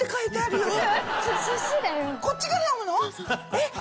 えっ！